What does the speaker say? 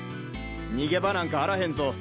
逃げ場なんかあらへんぞ！